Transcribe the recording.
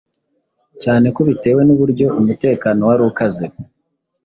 cyane ko bitewe n’uburyo umutekano wari ukaze